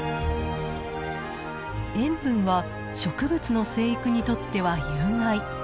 塩分は植物の生育にとっては有害。